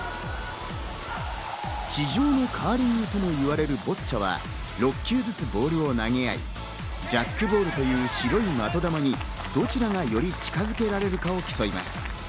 地上のカーリングともいわれるボッチャは６球ずつボールを投げ合い、ジャックボールという白い的球にどちらがより近づけられるかを競います。